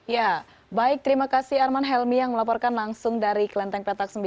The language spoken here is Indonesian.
ya baik terima kasih arman helmi yang melaporkan langsung dari kelenteng petak sembilan